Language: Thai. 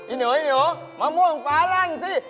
อิเหนียวมะม่วงฟ้าลั่งสิ